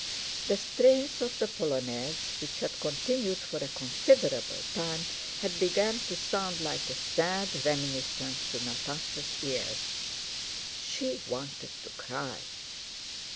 The strains of the polonaise, which had continued for a considerable time, had begun to sound like a sad reminiscence to Natásha's ears. She wanted to cry.